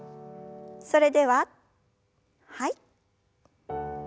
それでははい。